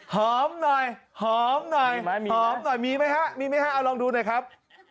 หอมหน่อยหอมหน่อยมีไหมครับมีไหมครับเอาลองดูหน่อยครับ